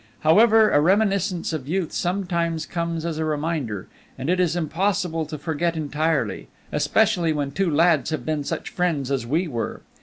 However, a reminiscence of youth sometimes comes as a reminder, and it is impossible to forget entirely, especially when two lads have been such friends as we were.